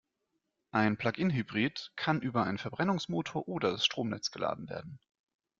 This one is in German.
Ein Plug-in-Hybrid kann über einen Verbrennungsmotor oder das Stromnetz geladen werden.